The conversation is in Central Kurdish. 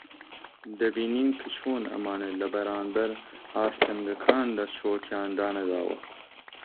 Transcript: دەبینین کە چۆن ئەمانە لە بەرانبەر ئاستەنگەکاندا چۆکیان دانەداوە